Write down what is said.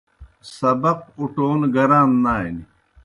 سبق اُٹون گران نانیْ۔